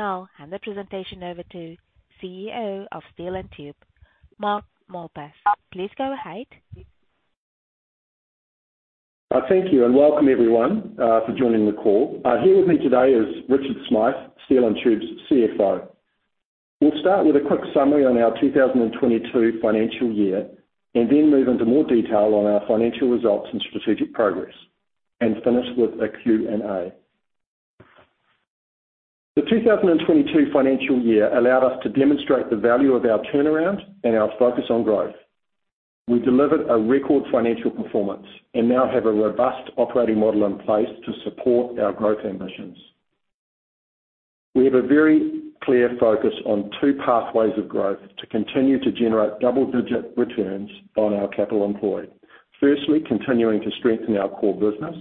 I will now hand the presentation over to CEO of Steel & Tube, Mark Malpass. Please go ahead. Thank you and welcome everyone for joining the call. Here with me today is Richard Smyth, Steel & Tube's CFO. We'll start with a quick summary on our 2022 financial year, and then move into more detail on our financial results and strategic progress, and finish with a Q&A. The 2022 financial year allowed us to demonstrate the value of our turnaround and our focus on growth. We delivered a record financial performance and now have a robust operating model in place to support our growth ambitions. We have a very clear focus on two pathways of growth to continue to generate double-digit returns on our capital employed. Firstly, continuing to strengthen our core business,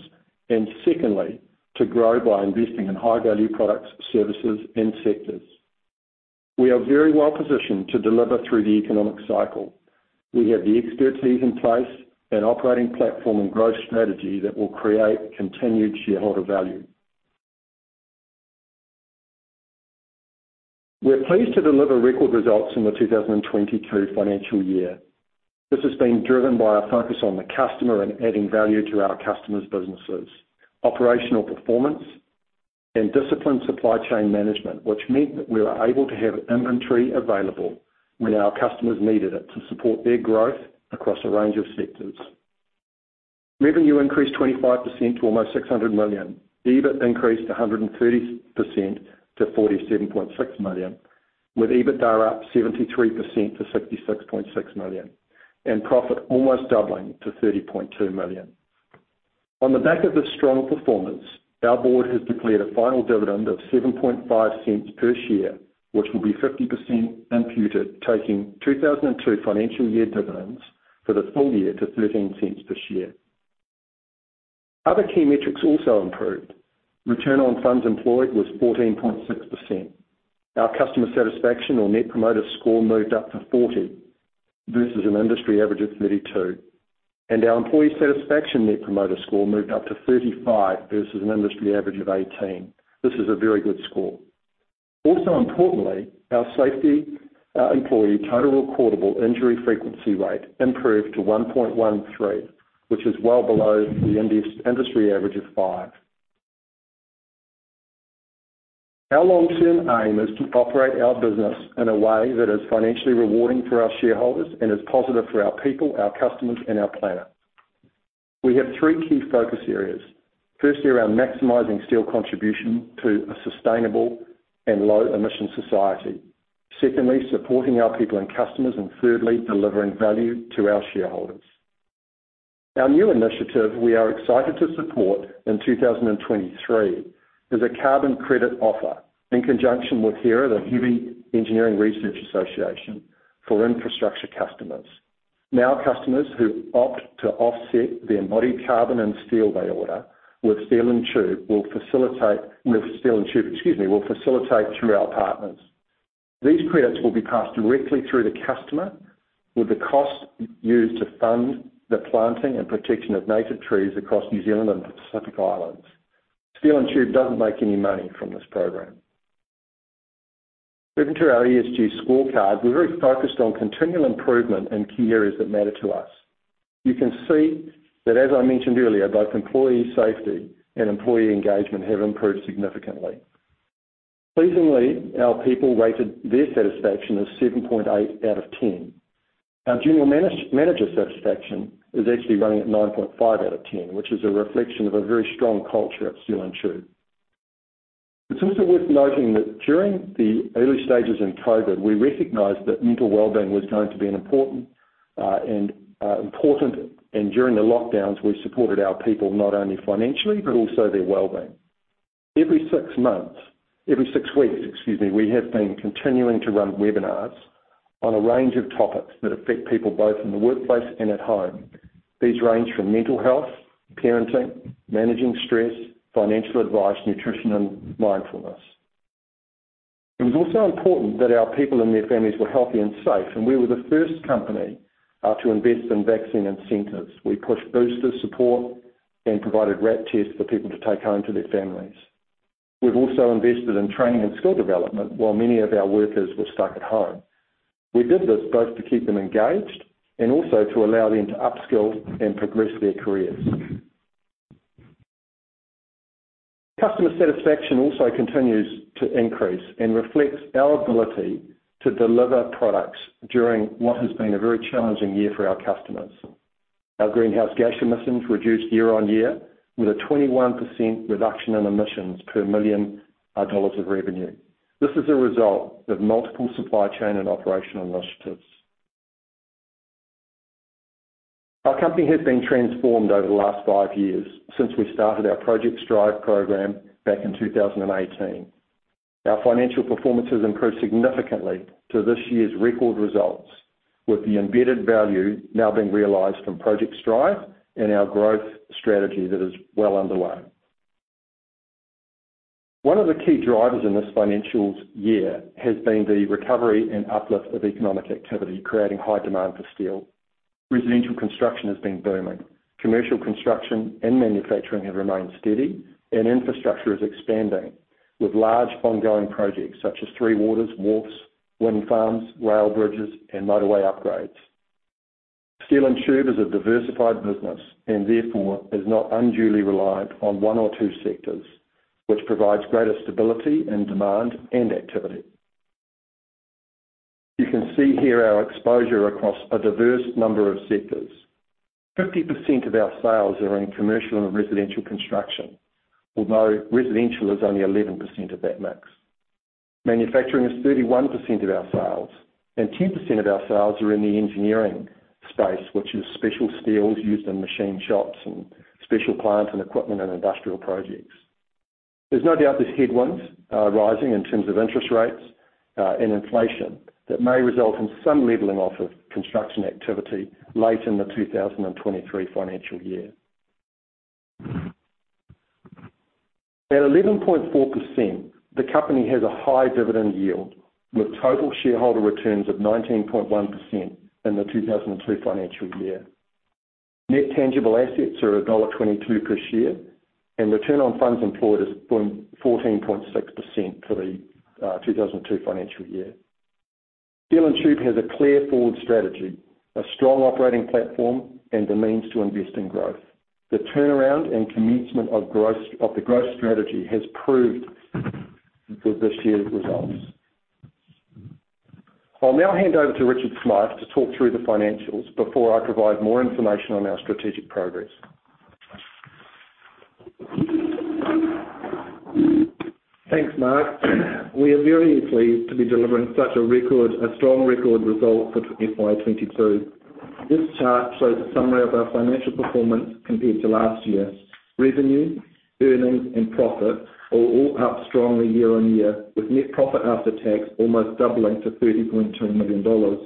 and secondly, to grow by investing in high-value products, services, and sectors. We are very well-positioned to deliver through the economic cycle. We have the expertise in place, an operating platform and growth strategy that will create continued shareholder value. We're pleased to deliver record results in the 2022 financial year. This has been driven by our focus on the customer and adding value to our customers' businesses, operational performance and disciplined supply chain management, which meant that we were able to have inventory available when our customers needed it to support their growth across a range of sectors. Revenue increased 25% to almost 600 million. EBIT increased 130% to 47.6 million, with EBITDA up 73% to 66.6 million, and profit almost doubling to 30.2 million. On the back of this strong performance, our board has declared a final dividend of 0.075 per share, which will be 50% imputed, taking 2022 financial year dividends for the full year to 0.13 per share. Other key metrics also improved. Return on funds employed was 14.6%. Our customer satisfaction or Net Promoter Score moved up to 40 versus an industry average of 32. Our employee satisfaction Net Promoter Score moved up to 35 versus an industry average of 18. This is a very good score. Also importantly, our safety, our employee total recordable injury frequency rate improved to 1.13, which is well below the industry average of 5. Our long-term aim is to operate our business in a way that is financially rewarding for our shareholders and is positive for our people, our customers, and our planet. We have three key focus areas. Firstly, around maximizing steel contribution to a sustainable and low-emission society. Secondly, supporting our people and customers. Thirdly, delivering value to our shareholders. Our new initiative we are excited to support in 2023 is a carbon credit offer in conjunction with HERA, the Heavy Engineering Research Association, for infrastructure customers. Now customers who opt to offset the embodied carbon and steel they order with Steel & Tube will facilitate through our partners. These credits will be passed directly through the customer, with the cost used to fund the planting and protection of native trees across New Zealand and the Pacific Islands. Steel & Tube doesn't make any money from this program. Moving to our ESG scorecard, we're very focused on continual improvement in key areas that matter to us. You can see that, as I mentioned earlier, both employee safety and employee engagement have improved significantly. Pleasingly, our people rated their satisfaction as 7.8 out of 10. Our general manager satisfaction is actually running at 9.5 out of 10, which is a reflection of a very strong culture at Steel & Tube. It's also worth noting that during the early stages in COVID, we recognized that mental wellbeing was going to be an important. During the lockdowns, we supported our people, not only financially, but also their wellbeing. Every six weeks, excuse me, we have been continuing to run webinars on a range of topics that affect people both in the workplace and at home. These range from mental health, parenting, managing stress, financial advice, nutrition, and mindfulness. It was also important that our people and their families were healthy and safe, and we were the first company to invest in vaccine incentives. We pushed booster support and provided RAT tests for people to take home to their families. We've also invested in training and skill development while many of our workers were stuck at home. We did this both to keep them engaged and also to allow them to upskill and progress their careers. Customer satisfaction also continues to increase and reflects our ability to deliver products during what has been a very challenging year for our customers. Our greenhouse gas emissions reduced year-over-year with a 21% reduction in emissions per 1 million dollars of revenue. This is a result of multiple supply chain and operational initiatives. Our company has been transformed over the last five years since we started our Project Strive program back in 2018. Our financial performance has improved significantly to this year's record results, with the embedded value now being realized from Project Strive and our growth strategy that is well underway. One of the key drivers in this fiscal year has been the recovery and uplift of economic activity, creating high demand for steel. Residential construction has been booming. Commercial construction and manufacturing have remained steady, and infrastructure is expanding with large ongoing projects such as three waters, wharfs, wind farms, rail bridges and motorway upgrades. Steel & Tube is a diversified business and therefore is not unduly reliant on one or two sectors, which provides greater stability and demand and activity. You can see here our exposure across a diverse number of sectors. 50% of our sales are in commercial and residential construction, although residential is only 11% of that mix. Manufacturing is 31% of our sales, and 10% of our sales are in the engineering space, which is special steels used in machine shops and special plant and equipment and industrial projects. There's no doubt there's headwinds rising in terms of interest rates, and inflation that may result in some leveling off of construction activity late in the 2023 financial year. At 11.4%, the company has a high dividend yield with total shareholder returns of 19.1% in the 2022 financial year. Net tangible assets are dollar 1.22 per share, and return on funds employed has grown 14.6% for the 2022 financial year. Steel & Tube has a clear forward strategy, a strong operating platform, and the means to invest in growth. The turnaround and commencement of the growth strategy has proved with this year's results. I'll now hand over to Richard Smyth to talk through the financials before I provide more information on our strategic progress. Thanks, Mark. We are very pleased to be delivering such a strong record result for FY 2022. This chart shows a summary of our financial performance compared to last year. Revenue, earnings, and profit are all up strongly year-on-year, with net profit after tax almost doubling to 30.2 million dollars.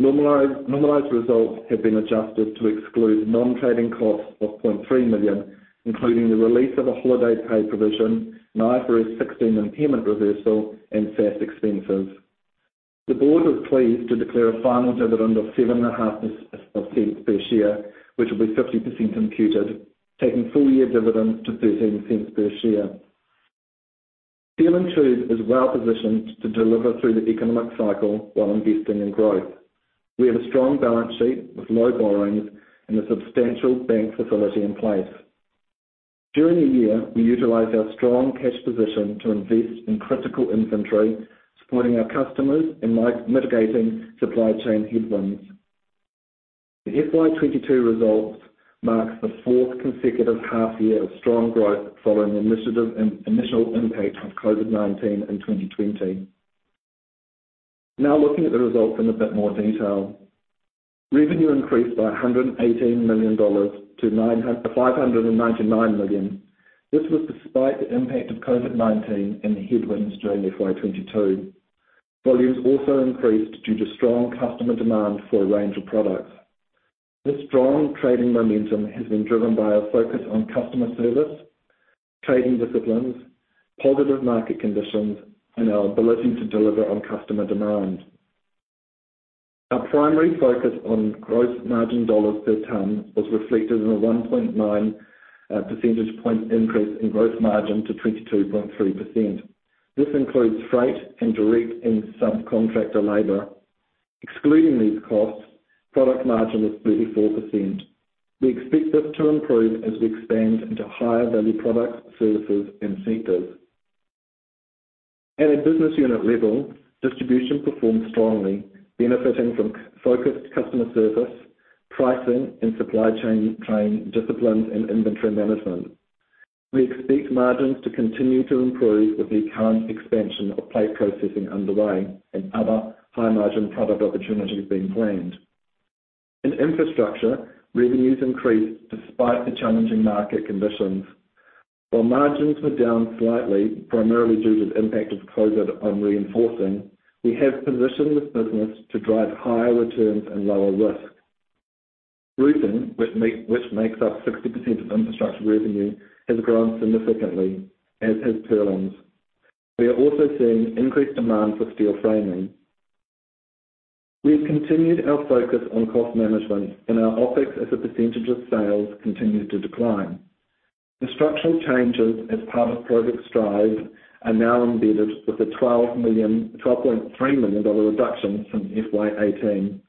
Normalized results have been adjusted to exclude non-trading costs of 0.3 million, including the release of a holiday pay provision, an IFRS 16 impairment reversal, and SaaS expenses. The board is pleased to declare a final dividend of 0.075 per share, which will be 50% imputed, taking full-year dividend to 0.13 per share. Steel & Tube is well-positioned to deliver through the economic cycle while investing in growth. We have a strong balance sheet with low borrowings and a substantial bank facility in place. During the year, we utilized our strong cash position to invest in critical inventory, supporting our customers and mitigating supply chain headwinds. The FY 2022 results marks the fourth consecutive half year of strong growth following the initial impact of COVID-19 in 2020. Now looking at the results in a bit more detail. Revenue increased by NZD 118 million to NZD 599 million. This was despite the impact of COVID-19 and the headwinds during FY 2022. Volumes also increased due to strong customer demand for a range of products. This strong trading momentum has been driven by our focus on customer service, trading disciplines, positive market conditions, and our ability to deliver on customer demand. Our primary focus on gross margin dollars per ton was reflected in a 1.9 percentage point increase in gross margin to 22.3%. This includes freight and direct and subcontractor labor. Excluding these costs, product margin was 34%. We expect this to improve as we expand into higher value products, services, and sectors. At a business unit level, distribution performed strongly, benefiting from focused customer service, pricing and supply chain disciplines and inventory management. We expect margins to continue to improve with the current expansion of plate processing underway and other high-margin product opportunities being planned. In infrastructure, revenues increased despite the challenging market conditions. While margins were down slightly, primarily due to the impact of COVID on reinforcing, we have positioned this business to drive higher returns and lower risk. Roofing, which makes up 60% of infrastructure revenue, has grown significantly, as has purlins. We are also seeing increased demand for steel framing. We have continued our focus on cost management and our OpEx as a percentage of sales continues to decline. The structural changes as part of Project Strive are now embedded with a 12.3 million dollar reduction from FY 2018.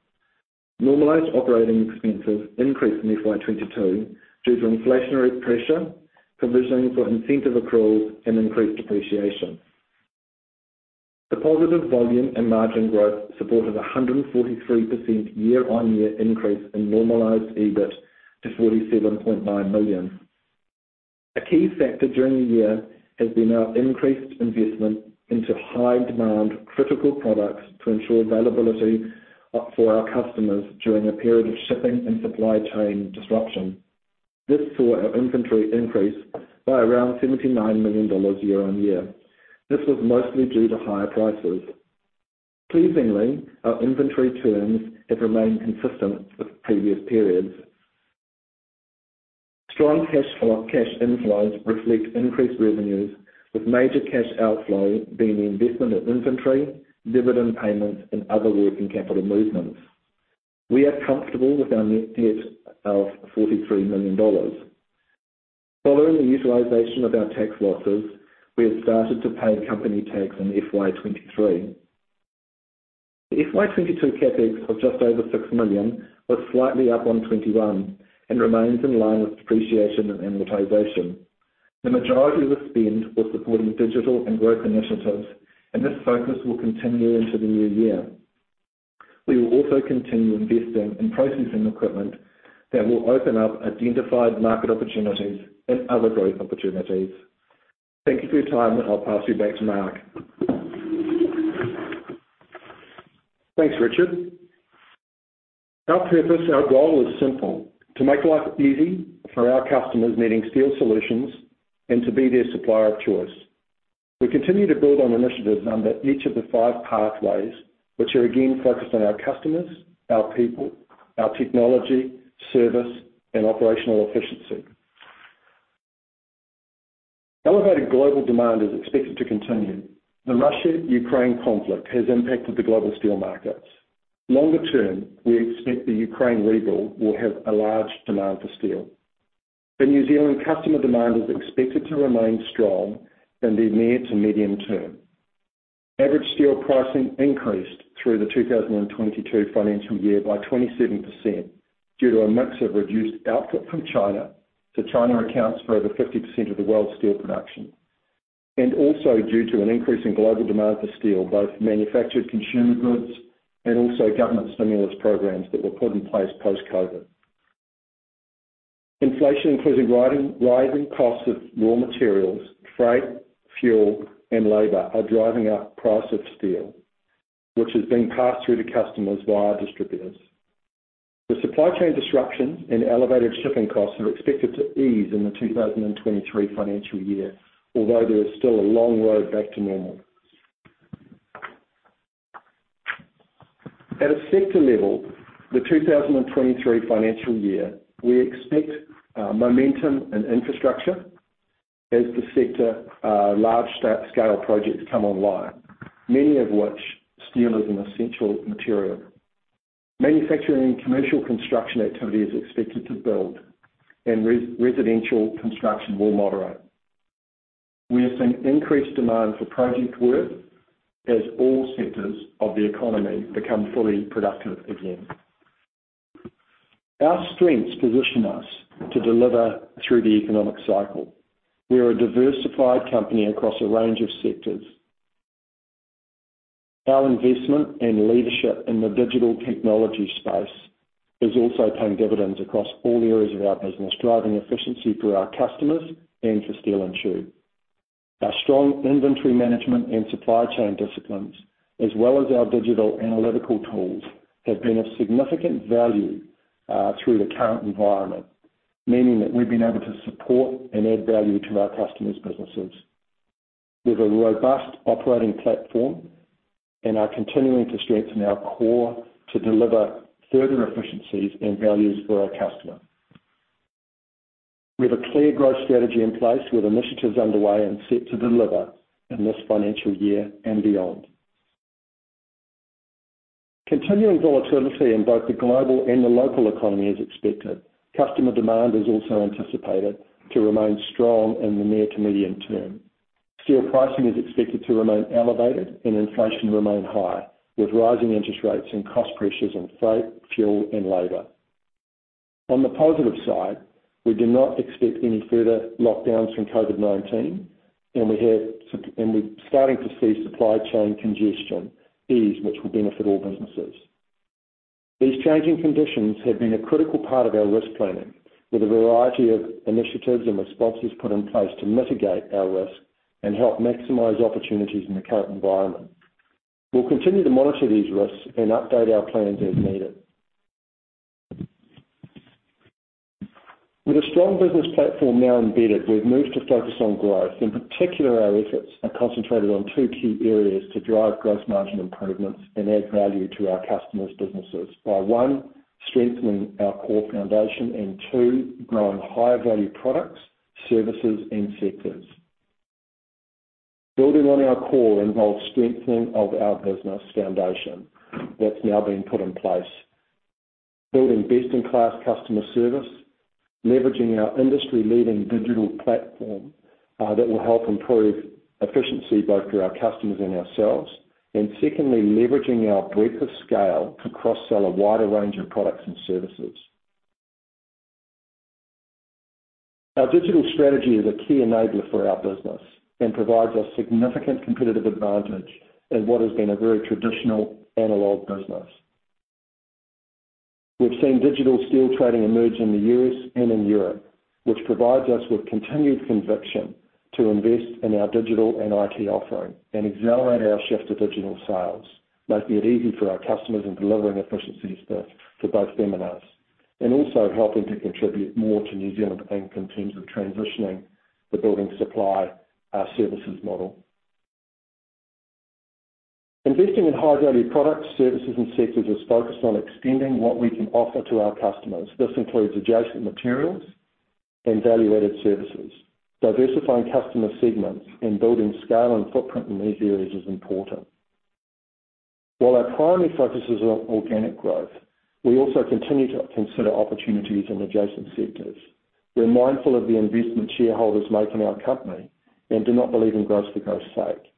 Normalized operating expenses increased in FY 2022 due to inflationary pressure, provisioning for incentive accruals, and increased depreciation. The positive volume and margin growth supported a 143% year-on-year increase in normalized EBIT to 47.9 million. A key factor during the year has been our increased investment into high-demand critical products to ensure availability for our customers during a period of shipping and supply chain disruption. This saw our inventory increase by around 79 million dollars year-on-year. This was mostly due to higher prices. Pleasingly, our inventory terms have remained consistent with previous periods. Strong cash flow. Cash inflows reflect increased revenues with major cash outflow being the investment in inventory, dividend payments, and other working capital movements. We are comfortable with our net debt of 43 million dollars. Following the utilization of our tax losses, we have started to pay company tax in FY 2023. The FY 2022 CapEx of just over 6 million was slightly up on 2021 and remains in line with depreciation and amortization. The majority of the spend was supporting digital and growth initiatives, and this focus will continue into the new year. We will also continue investing in processing equipment that will open up identified market opportunities and other growth opportunities. Thank you for your time, and I'll pass you back to Mark. Thanks, Richard. Our purpose, our goal is simple, to make life easy for our customers needing steel solutions and to be their supplier of choice. We continue to build on initiatives under each of the five pathways, which are again focused on our customers, our people, our technology, service, and operational efficiency. Elevated global demand is expected to continue. The Russia-Ukraine conflict has impacted the global steel markets. Longer term, we expect the Ukraine rebuild will have a large demand for steel. The New Zealand customer demand is expected to remain strong in the near to medium term. Average steel pricing increased through the 2022 financial year by 27% due to a mix of reduced output from China. China accounts for over 50% of the world's steel production. Due to an increase in global demand for steel, both manufactured consumer goods and also government stimulus programs that were put in place post-COVID. Inflation, including rising costs of raw materials, freight, fuel, and labor, are driving up the price of steel, which is being passed through to customers via distributors. The supply chain disruptions and elevated shipping costs are expected to ease in the 2023 financial year, although there is still a long road back to normal. At a sector level, the 2023 financial year, we expect momentum in infrastructure as the sector large-scale projects come online, many of which steel is an essential material. Manufacturing and commercial construction activity is expected to build and residential construction will moderate. We are seeing increased demand for project work as all sectors of the economy become fully productive again. Our strengths position us to deliver through the economic cycle. We are a diversified company across a range of sectors. Our investment and leadership in the digital technology space is also paying dividends across all areas of our business, driving efficiency for our customers and for Steel & Tube. Our strong inventory management and supply chain disciplines, as well as our digital analytical tools, have been of significant value through the current environment, meaning that we've been able to support and add value to our customers' businesses. We have a robust operating platform and are continuing to strengthen our core to deliver further efficiencies and values for our customer. We have a clear growth strategy in place with initiatives underway and set to deliver in this financial year and beyond. Continuing volatility in both the global and the local economy is expected. Customer demand is also anticipated to remain strong in the near to medium term. Steel pricing is expected to remain elevated and inflation remain high, with rising interest rates and cost pressures on freight, fuel, and labor. On the positive side, we do not expect any further lockdowns from COVID-19, and we're starting to see supply chain congestion ease, which will benefit all businesses. These changing conditions have been a critical part of our risk planning, with a variety of initiatives and responses put in place to mitigate our risk and help maximize opportunities in the current environment. We'll continue to monitor these risks and update our plans as needed. With a strong business platform now embedded, we've moved to focus on growth. In particular, our efforts are concentrated on two key areas to drive gross margin improvements and add value to our customers' businesses by, one, strengthening our core foundation and, two, growing higher-value products, services, and sectors. Building on our core involves strengthening of our business foundation that's now been put in place. Building best-in-class customer service, leveraging our industry-leading digital platform, that will help improve efficiency both for our customers and ourselves. Secondly, leveraging our breadth of scale to cross-sell a wider range of products and services. Our digital strategy is a key enabler for our business and provides a significant competitive advantage in what has been a very traditional analog business. We've seen digital steel trading emerge in the U.S. and in Europe, which provides us with continued conviction to invest in our digital and IT offering and accelerate our shift to digital sales, making it easy for our customers and delivering efficiencies both for them and us, and also helping to contribute more to New Zealand Inc. In terms of transitioning the building supply, services model. Investing in high value products, services, and sectors is focused on extending what we can offer to our customers. This includes adjacent materials and value-added services. Diversifying customer segments and building scale and footprint in these areas is important. While our primary focus is on organic growth, we also continue to consider opportunities in adjacent sectors. We are mindful of the investment shareholders make in our company and do not believe in growth for growth's sake.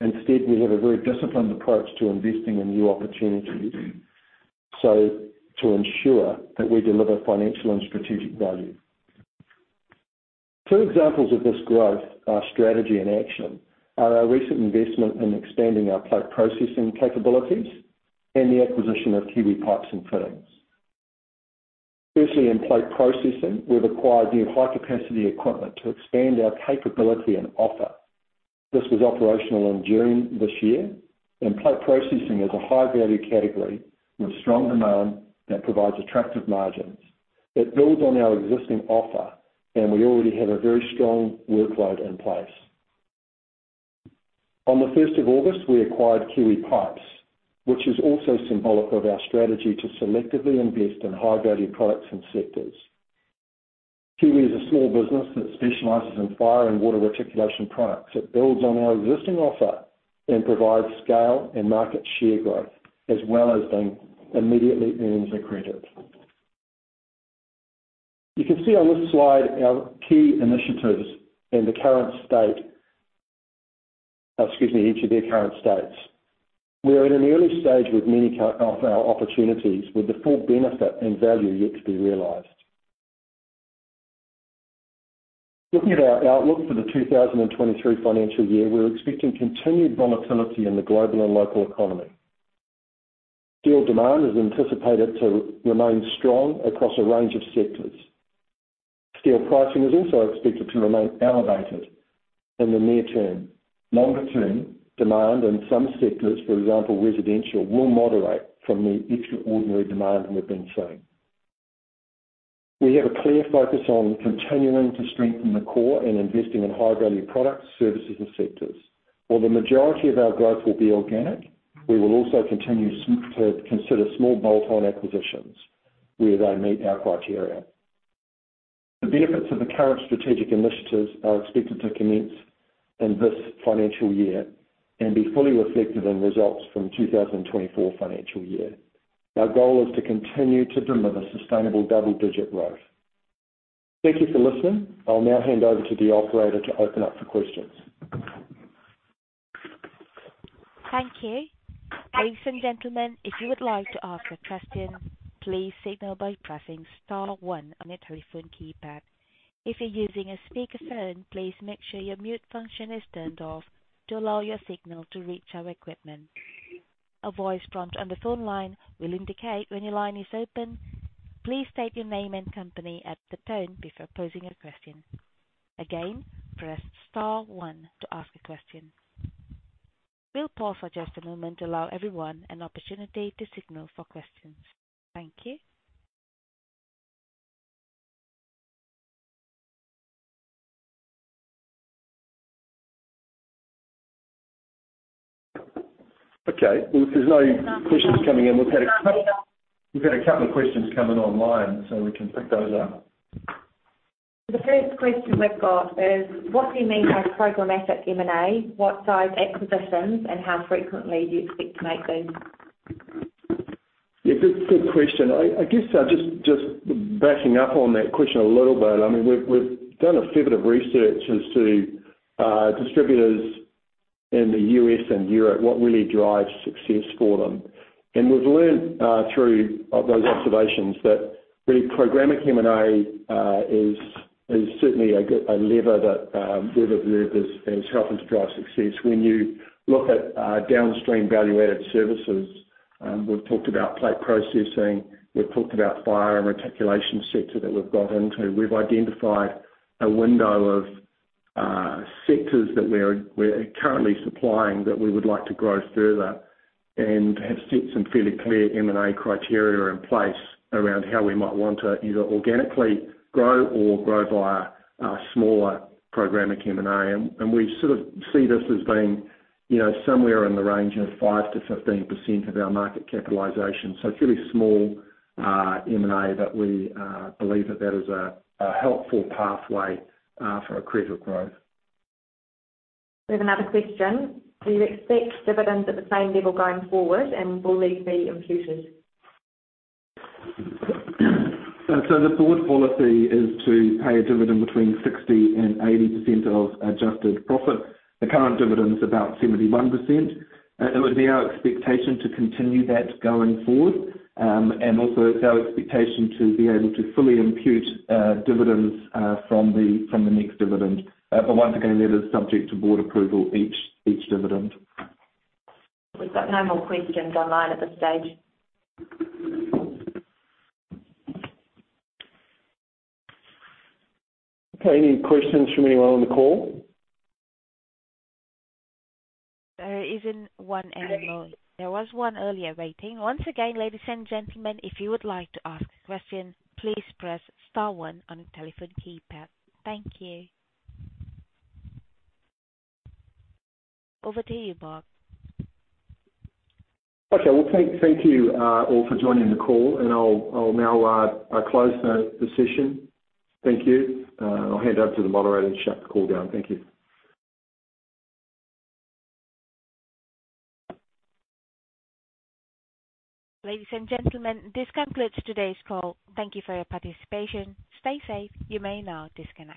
Instead, we have a very disciplined approach to investing in new opportunities, so to ensure that we deliver financial and strategic value. Two examples of this growth, our strategy in action, are our recent investment in expanding our plate processing capabilities and the acquisition of Kiwi Pipes & Fittings. Firstly, in plate processing, we've acquired new high-capacity equipment to expand our capability and offer. This was operational in June this year, and plate processing is a high-value category with strong demand that provides attractive margins. It builds on our existing offer, and we already have a very strong workload in place. On the 1st of August, we acquired Kiwi Pipes, which is also symbolic of our strategy to selectively invest in high-value products and sectors. Kiwi is a small business that specializes in fire and water reticulation products. It builds on our existing offer and provides scale and market share growth as well as being immediately earnings accretive. You can see on this slide our key initiatives and each of their current states. We are in an early stage with many of our opportunities, with the full benefit and value yet to be realized. Looking at our outlook for the 2023 financial year, we're expecting continued volatility in the global and local economy. Steel demand is anticipated to remain strong across a range of sectors. Steel pricing is also expected to remain elevated in the near term. Longer term, demand in some sectors, for example, residential, will moderate from the extraordinary demand we've been seeing. We have a clear focus on continuing to strengthen the core and investing in high-value products, services, and sectors. While the majority of our growth will be organic, we will also continue to consider small bolt-on acquisitions where they meet our criteria. The benefits of the current strategic initiatives are expected to commence in this financial year and be fully reflected in results from 2024 financial year. Our goal is to continue to deliver sustainable double-digit growth. Thank you for listening. I'll now hand over to the operator to open up for questions. Thank you. Ladies and gentlemen, if you would like to ask a question, please signal by pressing star one on your telephone keypad. If you're using a speakerphone, please make sure your mute function is turned off to allow your signal to reach our equipment. A voice prompt on the phone line will indicate when your line is open. Please state your name and company at the tone before posing a question. Again, press star one to ask a question. We'll pause for just a moment to allow everyone an opportunity to signal for questions. Thank you. Okay. If there's no questions coming in. We've had a couple of questions come in online, so we can pick those up. The first question we've got is, what do you mean by programmatic M&A? What size acquisitions, and how frequently do you expect to make these? Yeah. Good question. I guess just backing up on that question a little bit. I mean, we've done a fair bit of research as to distributors in the U.S. and Europe, what really drives success for them. We've learned through those observations that really programmatic M&A is certainly a lever that we've observed has helped us drive success. When you look at downstream value-added services, we've talked about plate processing, we've talked about fire and reticulation sector that we've got into. We've identified a window of sectors that we're currently supplying that we would like to grow further and have set some fairly clear M&A criteria in place around how we might want to either organically grow or grow via smaller programmatic M&A. We sort of see this as being, you know, somewhere in the range of 5%-15% of our market capitalization. Fairly small M&A that we believe that is a helpful pathway for accretive growth. We have another question. Do you expect dividends at the same level going forward, and will these be imputed? The Board policy is to pay a dividend between 60%-80% of adjusted profit. The current dividend is about 71%. It would be our expectation to continue that going forward, and also it's our expectation to be able to fully impute dividends from the next dividend. Once again, that is subject to board approval each dividend. We've got no more questions online at this stage. Okay. Any questions from anyone on the call? There isn't one anymore. There was one earlier waiting. Once again, ladies and gentlemen, if you would like to ask questions, please press star one on your telephone keypad. Thank you. Over to you, Mark. Okay. Well, thank you all for joining the call, and I'll now close the session. Thank you. I'll hand over to the moderator to shut the call down. Thank you. Ladies and gentlemen, this concludes today's call. Thank you for your participation. Stay safe. You may now disconnect.